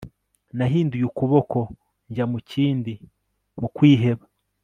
Nahinduye ukuboko njya mu kindi mu kwiheba